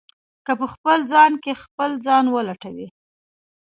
که په خپل ځان کې خپل ځان ولټوئ.